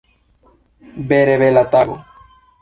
Vere bela tago!